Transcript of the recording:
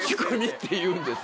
っていうんです